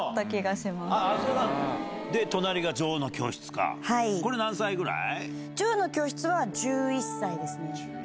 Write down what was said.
隣が『女王の教室』かこれ何歳ぐらい？